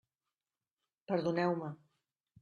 Perdoneu-me.